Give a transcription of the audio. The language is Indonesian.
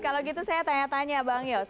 kalau gitu saya tanya tanya bang yos